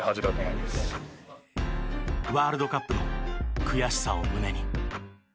ワールドカップの悔しさを胸に。